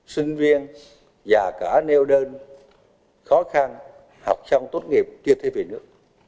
sinh viên già cả nêu đơn khó khăn học trong tốt nghiệp kia thêm về nước